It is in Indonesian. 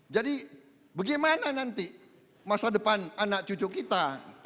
jadi bagaimana nanti masa depan anak cucu kita